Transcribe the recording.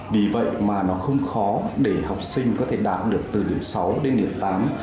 vì vậy mà nó không khó để học sinh có thể đạt được từ điểm sáu đến điểm tám